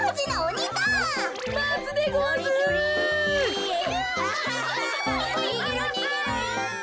にげろにげろ。